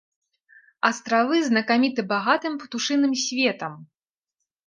Астравы знакаміты багатым птушыным светам.